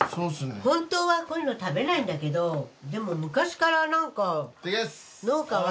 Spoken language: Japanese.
本当はこういうの食べないんだけどでも昔からなんか農家は。